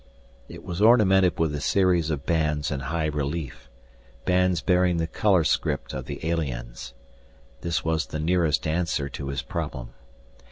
It was ornamented with a series of bands in high relief, bands bearing the color script of the aliens. This was the nearest answer to his problem.